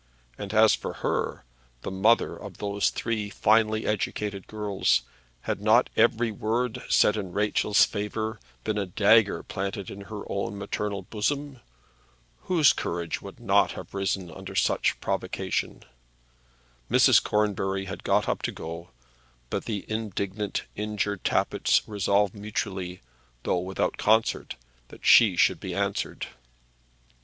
And as for her, the mother of those three finely educated girls, had not every word said in Rachel's favour been a dagger planted in her own maternal bosom? Whose courage would not have risen under such provocation? Mrs. Cornbury had got up to go, but the indignant, injured Tappitts resolved mutually, though without concert, that she should be answered.